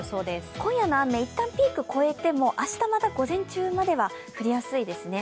今夜の雨、一旦ピークを越えても明日の午前中までは降りやすいですね。